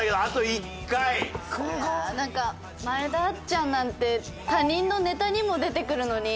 いやなんか前田あっちゃんなんて他人のネタにも出てくるのに。